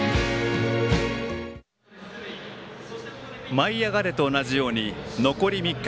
「舞いあがれ！」と同じように残り３日。